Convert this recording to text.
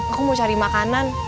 aku mau cari makanan